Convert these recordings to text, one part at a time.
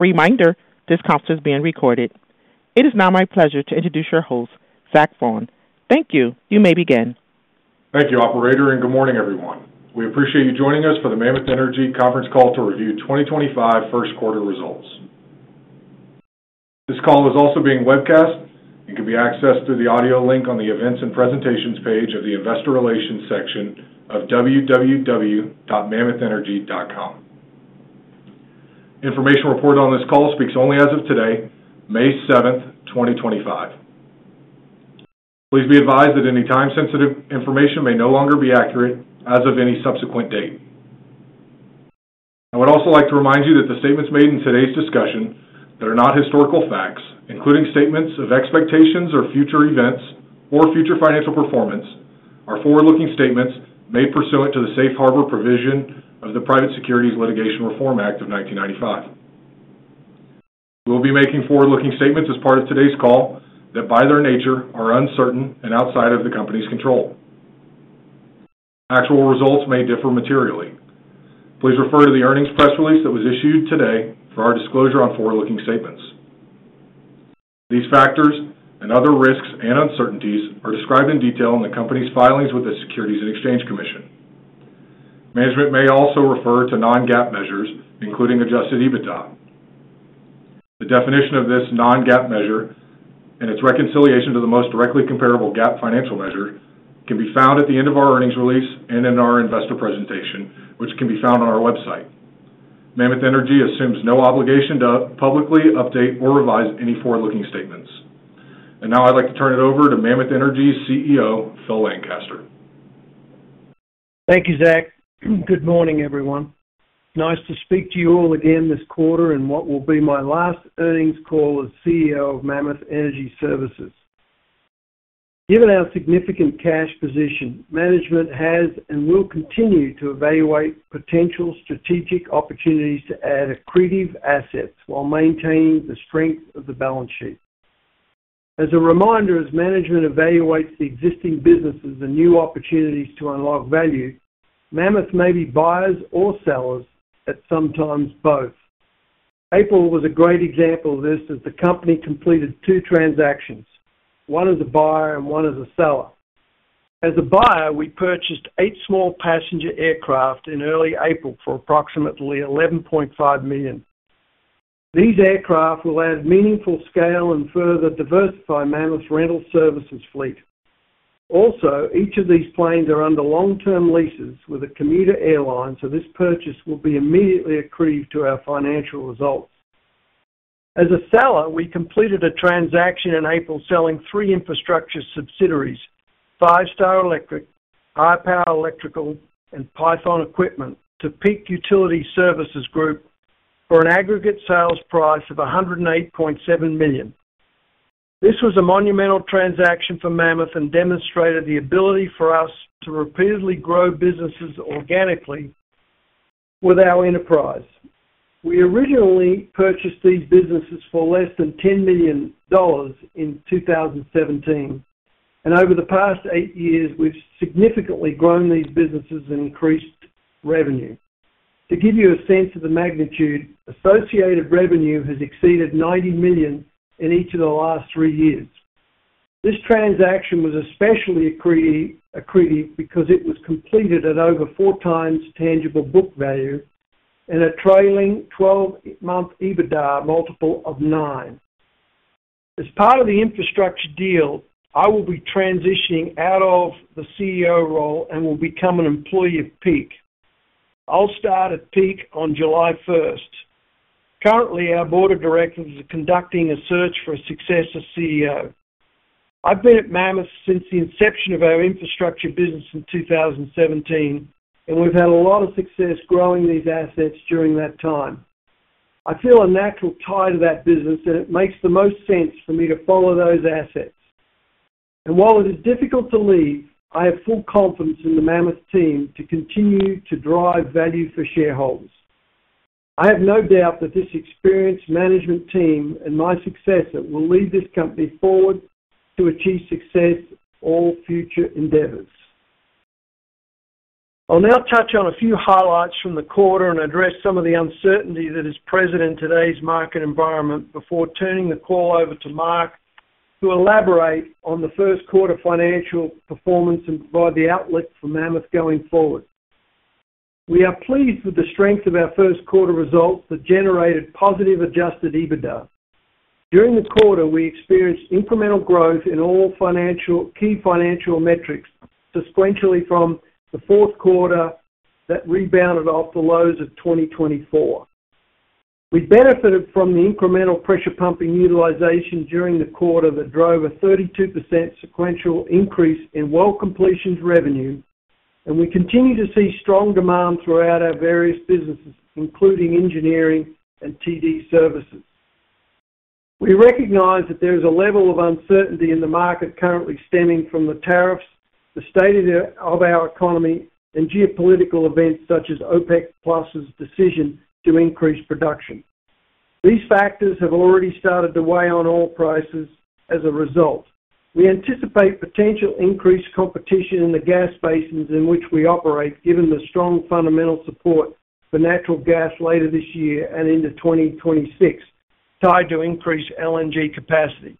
Reminder, this conference is being recorded. It is now my pleasure to introduce your host, Zach Vaughan. Thank you. You may begin. Thank you, Operator, and good morning, everyone. We appreciate you joining us for the Mammoth Energy Services Conference Call to review 2025 first quarter results. This call is also being webcast and can be accessed through the audio link on the events and presentations page of the investor relations section of www.mammothenergy.com. Information reported on this call speaks only as of today, May 7th, 2025. Please be advised that any time-sensitive information may no longer be accurate as of any subsequent date. I would also like to remind you that the statements made in today's discussion that are not historical facts, including statements of expectations or future events or future financial performance, are forward-looking statements made pursuant to the safe harbor provision of the Private Securities Litigation Reform Act of 1995. We will be making forward-looking statements as part of today's call that, by their nature, are uncertain and outside of the company's control. Actual results may differ materially. Please refer to the earnings press release that was issued today for our disclosure on forward-looking statements. These factors and other risks and uncertainties are described in detail in the company's filings with the Securities and Exchange Commission. Management may also refer to non-GAAP measures, including adjusted EBITDA. The definition of this non-GAAP measure and its reconciliation to the most directly comparable GAAP financial measure can be found at the end of our earnings release and in our investor presentation, which can be found on our website. Mammoth Energy assumes no obligation to publicly update or revise any forward-looking statements. I would now like to turn it over to Mammoth Energy's CEO, Phil Lancaster. Thank you, Zach. Good morning, everyone. Nice to speak to you all again this quarter in what will be my last earnings call as CEO of Mammoth Energy Services. Given our significant cash position, management has and will continue to evaluate potential strategic opportunities to add accretive assets while maintaining the strength of the balance sheet. As a reminder, as management evaluates the existing businesses and new opportunities to unlock value, Mammoth may be buyers or sellers, at sometimes both. April was a great example of this as the company completed two transactions, one as a buyer and one as a seller. As a buyer, we purchased eight small passenger aircraft in early April for approximately $11.5 million. These aircraft will add meaningful scale and further diversify Mammoth's rental services fleet. Also, each of these planes are under long-term leases with a commuter airline, so this purchase will be immediately accretive to our financial results. As a seller, we completed a transaction in April selling three infrastructure subsidiaries: Five Star Electric, I Power Electrical, and Python Equipment to Peak Utility Services Group for an aggregate sales price of $108.7 million. This was a monumental transaction for Mammoth and demonstrated the ability for us to repeatedly grow businesses organically with our enterprise. We originally purchased these businesses for less than $10 million in 2017, and over the past eight years, we've significantly grown these businesses and increased revenue. To give you a sense of the magnitude, associated revenue has exceeded $90 million in each of the last three years. This transaction was especially accredited because it was completed at over 4x tangible book value and a trailing 12-month EBITDA multiple of nine. As part of the infrastructure deal, I will be transitioning out of the CEO role and will become an employee of Peak. I'll start at Peak on July 1st. Currently, our board of directors is conducting a search for a successor CEO. I've been at Mammoth since the inception of our infrastructure business in 2017, and we've had a lot of success growing these assets during that time. I feel a natural tie to that business, and it makes the most sense for me to follow those assets. While it is difficult to leave, I have full confidence in the Mammoth team to continue to drive value for shareholders. I have no doubt that this experienced management team and my successor will lead this company forward to achieve success in all future endeavors. I'll now touch on a few highlights from the quarter and address some of the uncertainty that is present in today's market environment before turning the call over to Mark to elaborate on the first quarter financial performance and provide the outlook for Mammoth going forward. We are pleased with the strength of our first quarter results that generated positive adjusted EBITDA. During the quarter, we experienced incremental growth in all key financial metrics, sequentially from the fourth quarter that rebounded off the lows of 2024. We benefited from the incremental pressure pumping utilization during the quarter that drove a 32% sequential increase in well completions revenue, and we continue to see strong demand throughout our various businesses, including engineering and TD services. We recognize that there is a level of uncertainty in the market currently stemming from the tariffs, the state of our economy, and geopolitical events such as OPEC+'s decision to increase production. These factors have already started to weigh on oil prices as a result. We anticipate potential increased competition in the gas basins in which we operate, given the strong fundamental support for natural gas later this year and into 2026, tied to increased LNG capacity.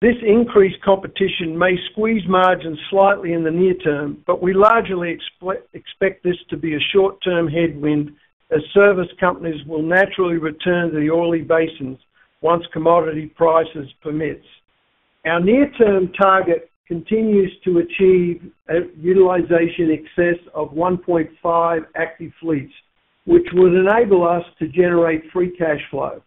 This increased competition may squeeze margins slightly in the near term, but we largely expect this to be a short-term headwind as service companies will naturally return to the oily basins once commodity prices permit. Our near-term target continues to achieve a utilization excess of 1.5 active fleets, which would enable us to generate free cash flow.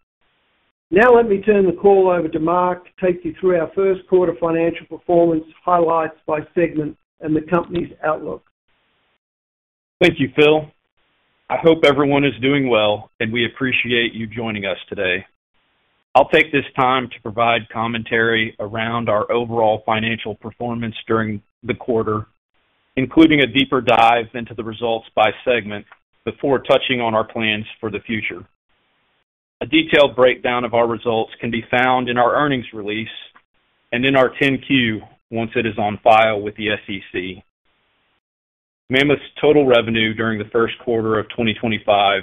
Now, let me turn the call over to Mark to take you through our first quarter financial performance highlights by segment and the company's outlook. Thank you, Phil. I hope everyone is doing well, and we appreciate you joining us today. I'll take this time to provide commentary around our overall financial performance during the quarter, including a deeper dive into the results by segment before touching on our plans for the future. A detailed breakdown of our results can be found in our earnings release and in our 10-Q once it is on file with the SEC. Mammoth's total revenue during the first quarter of 2025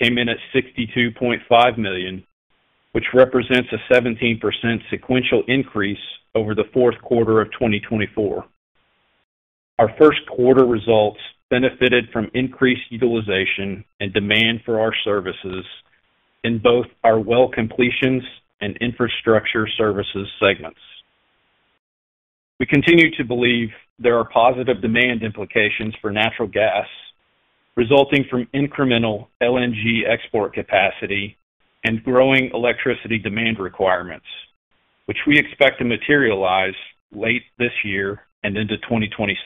came in at $62.5 million, which represents a 17% sequential increase over the fourth quarter of 2024. Our first quarter results benefited from increased utilization and demand for our services in both our well completions and infrastructure services segments. We continue to believe there are positive demand implications for natural gas resulting from incremental LNG export capacity and growing electricity demand requirements, which we expect to materialize late this year and into 2026.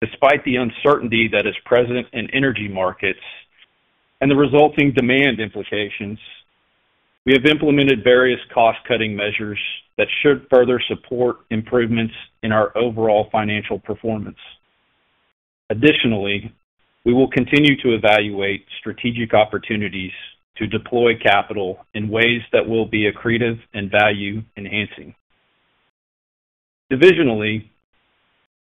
Despite the uncertainty that is present in energy markets and the resulting demand implications, we have implemented various cost-cutting measures that should further support improvements in our overall financial performance. Additionally, we will continue to evaluate strategic opportunities to deploy capital in ways that will be accretive and value-enhancing. Divisionally,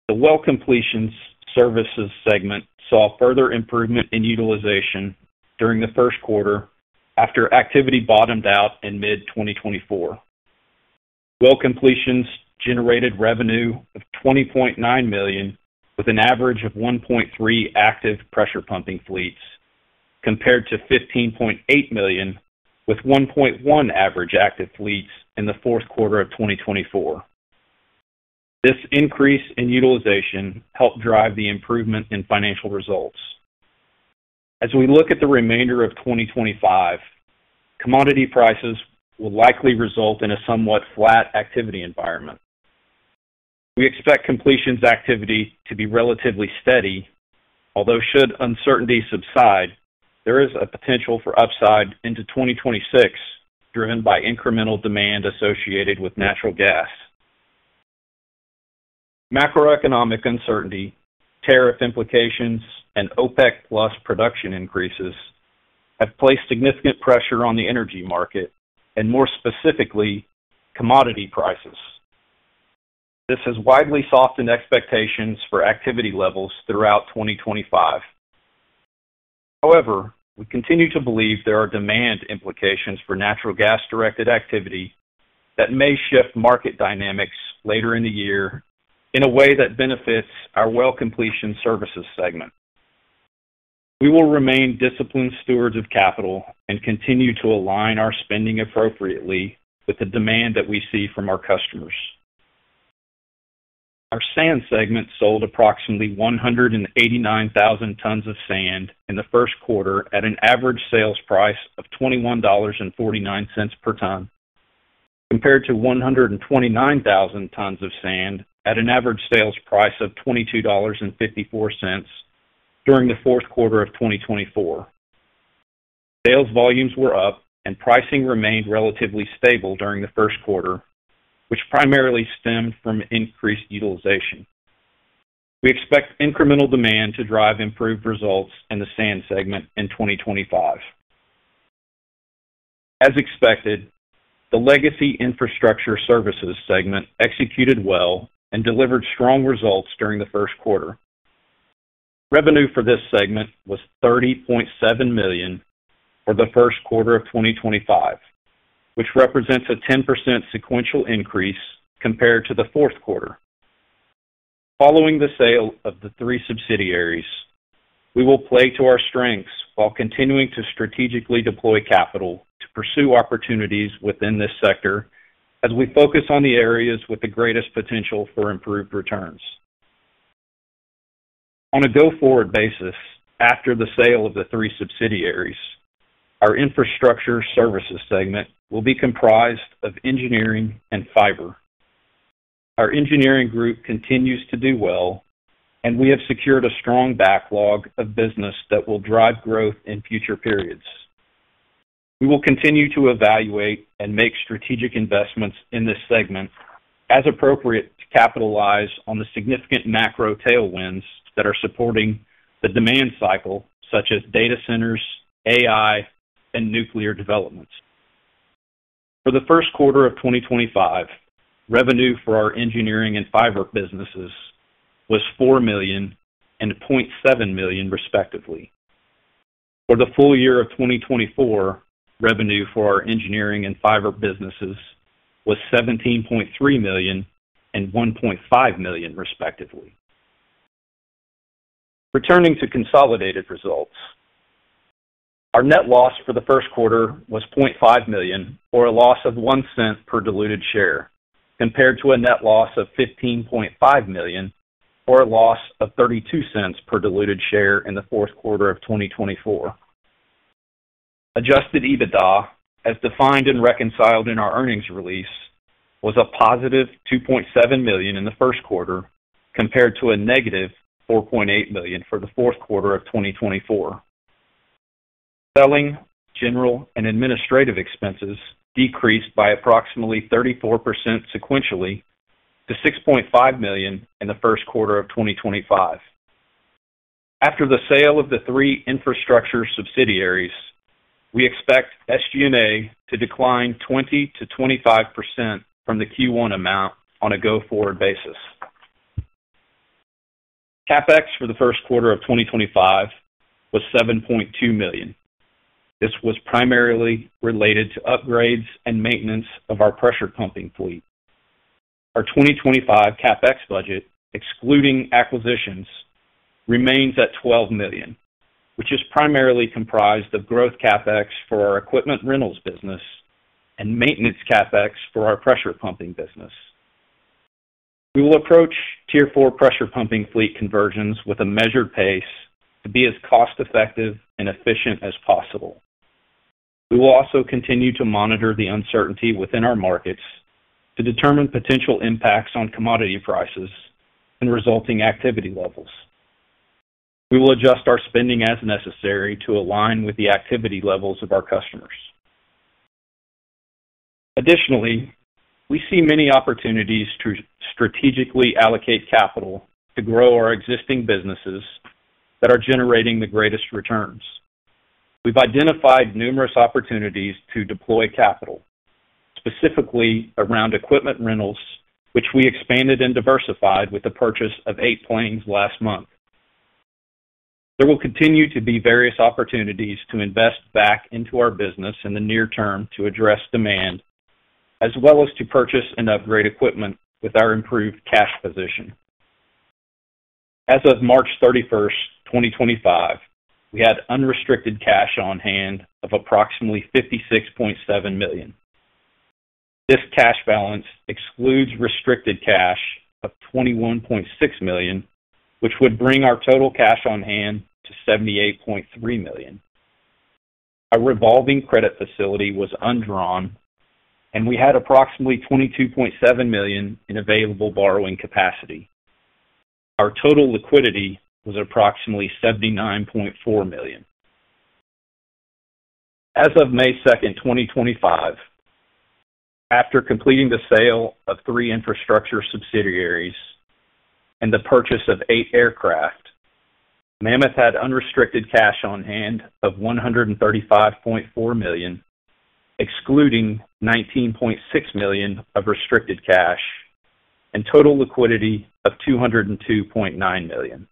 the well completions services segment saw further improvement in utilization during the first quarter after activity bottomed out in mid-2024. Well completions generated revenue of $20.9 million with an average of 1.3 active pressure pumping fleets, compared to $15.8 million with 1.1 average active fleets in the fourth quarter of 2024. This increase in utilization helped drive the improvement in financial results. As we look at the remainder of 2025, commodity prices will likely result in a somewhat flat activity environment. We expect completions activity to be relatively steady, although should uncertainty subside, there is a potential for upside into 2026 driven by incremental demand associated with natural gas. Macroeconomic uncertainty, tariff implications, and OPEC+ production increases have placed significant pressure on the energy market and, more specifically, commodity prices. This has widely softened expectations for activity levels throughout 2025. However, we continue to believe there are demand implications for natural gas-directed activity that may shift market dynamics later in the year in a way that benefits our well completions services segment. We will remain disciplined stewards of capital and continue to align our spending appropriately with the demand that we see from our customers. Our sand segment sold approximately 189,000 tons of sand in the first quarter at an average sales price of $21.49 per ton, compared to 129,000 tons of sand at an average sales price of $22.54 during the fourth quarter of 2024. Sales volumes were up, and pricing remained relatively stable during the first quarter, which primarily stemmed from increased utilization. We expect incremental demand to drive improved results in the sand segment in 2025. As expected, the legacy infrastructure services segment executed well and delivered strong results during the first quarter. Revenue for this segment was $30.7 million for the first quarter of 2025, which represents a 10% sequential increase compared to the fourth quarter. Following the sale of the three subsidiaries, we will play to our strengths while continuing to strategically deploy capital to pursue opportunities within this sector as we focus on the areas with the greatest potential for improved returns. On a go-forward basis, after the sale of the three subsidiaries, our infrastructure services segment will be comprised of engineering and fiber. Our engineering group continues to do well, and we have secured a strong backlog of business that will drive growth in future periods. We will continue to evaluate and make strategic investments in this segment as appropriate to capitalize on the significant macro tailwinds that are supporting the demand cycle, such as data centers, AI, and nuclear developments. For the first quarter of 2025, revenue for our engineering and fiber businesses was $4 million and $0.7 million, respectively. For the full year of 2024, revenue for our engineering and fiber businesses was $17.3 million and $1.5 million, respectively. Returning to consolidated results, our net loss for the first quarter was $0.5 million, or a loss of $0.01 per diluted share, compared to a net loss of $15.5 million, or a loss of $0.32 per diluted share in the fourth quarter of 2024. Adjusted EBITDA, as defined and reconciled in our earnings release, was a +$2.7 million in the first quarter compared to a -$4.8 million for the fourth quarter of 2024. Selling, general, and administrative expenses decreased by approximately 34% sequentially to $6.5 million in the first quarter of 2025. After the sale of the three infrastructure subsidiaries, we expect SG&A to decline 20%-25% from the Q1 amount on a go-forward basis. CapEx for the first quarter of 2025 was $7.2 million. This was primarily related to upgrades and maintenance of our pressure pumping fleet. Our 2025 CapEx budget, excluding acquisitions, remains at $12 million, which is primarily comprised of growth CapEx for our equipment rentals business and maintenance CapEx for our pressure pumping business. We will approach tier four pressure pumping fleet conversions with a measured pace to be as cost-effective and efficient as possible. We will also continue to monitor the uncertainty within our markets to determine potential impacts on commodity prices and resulting activity levels. We will adjust our spending as necessary to align with the activity levels of our customers. Additionally, we see many opportunities to strategically allocate capital to grow our existing businesses that are generating the greatest returns. We've identified numerous opportunities to deploy capital, specifically around equipment rentals, which we expanded and diversified with the purchase of eight planes last month. There will continue to be various opportunities to invest back into our business in the near term to address demand, as well as to purchase and upgrade equipment with our improved cash position. As of March 31, 2025, we had unrestricted cash on hand of approximately $56.7 million. This cash balance excludes restricted cash of $21.6 million, which would bring our total cash on hand to $78.3 million. Our revolving credit facility was undrawn, and we had approximately $22.7 million in available borrowing capacity. Our total liquidity was approximately $79.4 million. As of May 2, 2025, after completing the sale of three infrastructure subsidiaries and the purchase of eight aircraft, Mammoth had unrestricted cash on hand of $135.4 million, excluding $19.6 million of restricted cash, and total liquidity of $202.9 million.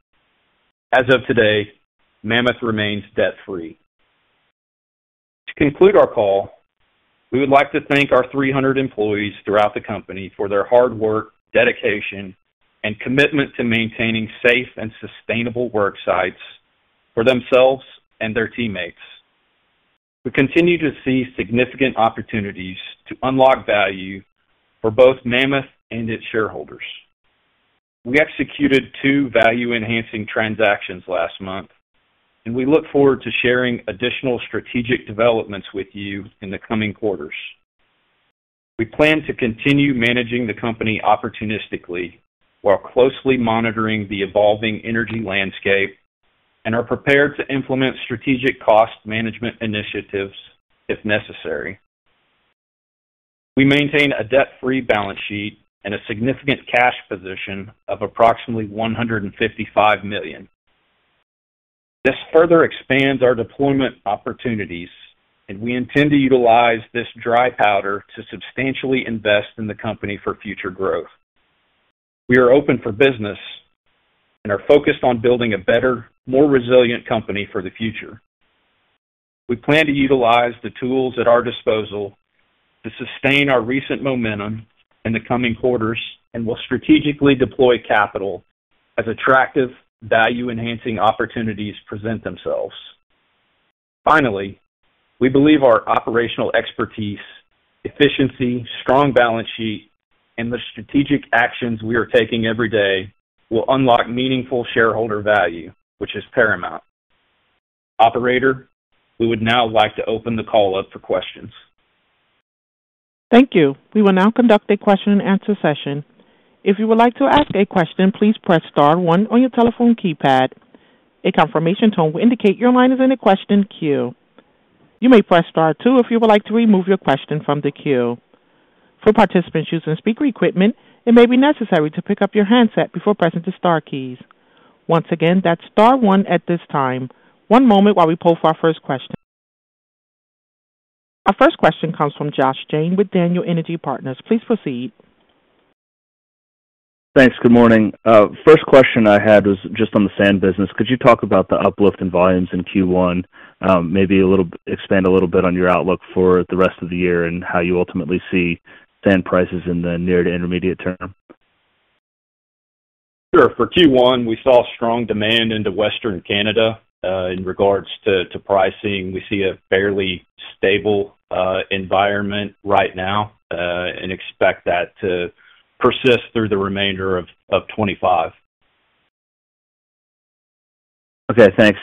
As of today, Mammoth remains debt-free. To conclude our call, we would like to thank our 300 employees throughout the company for their hard work, dedication, and commitment to maintaining safe and sustainable work sites for themselves and their teammates. We continue to see significant opportunities to unlock value for both Mammoth and its shareholders. We executed two value-enhancing transactions last month, and we look forward to sharing additional strategic developments with you in the coming quarters. We plan to continue managing the company opportunistically while closely monitoring the evolving energy landscape and are prepared to implement strategic cost management initiatives if necessary. We maintain a debt-free balance sheet and a significant cash position of approximately $155 million. This further expands our deployment opportunities, and we intend to utilize this dry powder to substantially invest in the company for future growth. We are open for business and are focused on building a better, more resilient company for the future. We plan to utilize the tools at our disposal to sustain our recent momentum in the coming quarters and will strategically deploy capital as attractive value-enhancing opportunities present themselves. Finally, we believe our operational expertise, efficiency, strong balance sheet, and the strategic actions we are taking every day will unlock meaningful shareholder value, which is paramount. Operator, we would now like to open the call up for questions. Thank you. We will now conduct a question-and-answer session. If you would like to ask a question, please press star one on your telephone keypad. A confirmation tone will indicate your line is in a question queue. You may press star two if you would like to remove your question from the queue. For participants using speaker equipment, it may be necessary to pick up your handset before pressing the star keys. Once again, that's star one at this time. One moment while we pull for our first question. Our first question comes from Josh Jayne with Daniel Energy Partners. Please proceed. Thanks. Good morning. First question I had was just on the sand business. Could you talk about the uplift in volumes in Q1, maybe expand a little bit on your outlook for the rest of the year and how you ultimately see sand prices in the near to intermediate term? Sure. For Q1, we saw strong demand into Western Canada. In regards to pricing, we see a fairly stable environment right now and expect that to persist through the remainder of 2025. Okay. Thanks.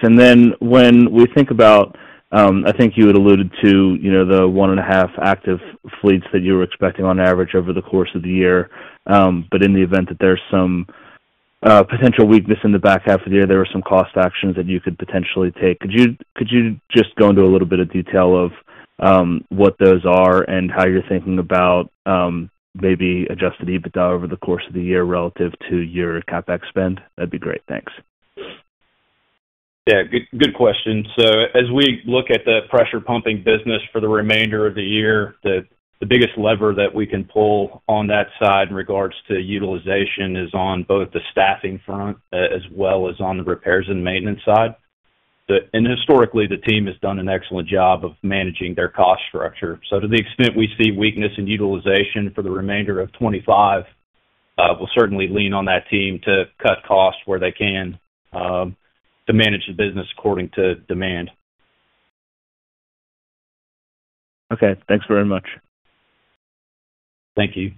When we think about, I think you had alluded to the one and a half active fleets that you were expecting on average over the course of the year, but in the event that there is some potential weakness in the back half of the year, there were some cost actions that you could potentially take. Could you just go into a little bit of detail of what those are and how you are thinking about maybe adjusted EBITDA over the course of the year relative to your CapEx spend? That would be great. Thanks. Good question. As we look at the pressure pumping business for the remainder of the year, the biggest lever that we can pull on that side in regards to utilization is on both the staffing front as well as on the repairs and maintenance side. Historically, the team has done an excellent job of managing their cost structure. To the extent we see weakness in utilization for the remainder of 2025, we will certainly lean on that team to cut costs where they can to manage the business according to demand. Okay. Thanks very much. Thank you.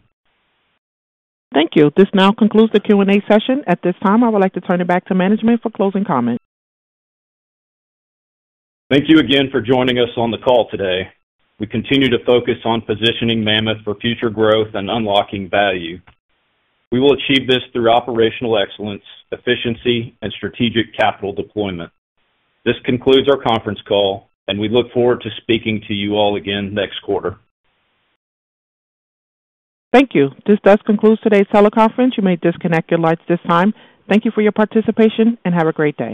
Thank you. This now concludes the Q&A session. At this time, I would like to turn it back to management for closing comments. Thank you again for joining us on the call today. We continue to focus on positioning Mammoth for future growth and unlocking value. We will achieve this through operational excellence, efficiency, and strategic capital deployment. This concludes our conference call, and we look forward to speaking to you all again next quarter. Thank you. This does conclude today's teleconference. You may disconnect your lines at this time. Thank you for your participation and have a great day.